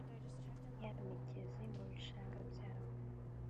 ya migezi mu bishanga byawe.